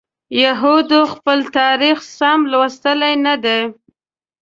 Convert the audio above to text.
یهودو خپل تاریخ سم لوستی نه دی.